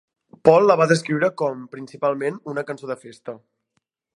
Paul la va descriure com... principalment una cançó de festa.